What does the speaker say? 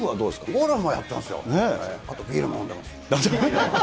ゴルフもやってますよ、あとビール飲んでます。